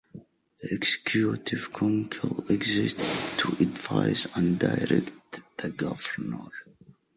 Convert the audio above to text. The Executive Council exists to advise and direct the Governor.